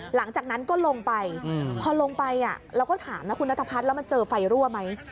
หลังจากนั้นก็ลงไปพอลงไปเราก็ถามนะคุณนัทพัฒน์แล้วมันเจอไฟรั่วไหม